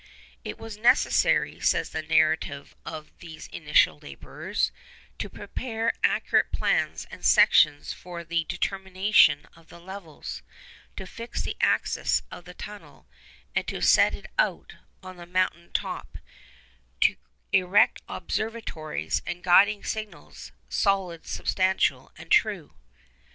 'It was necessary,' says the narrative of these initial labours, 'to prepare accurate plans and sections for the determination of the levels, to fix the axis of the tunnel, and to "set it out" on the mountain top; to erect observatories and guiding signals, solid, substantial, and true.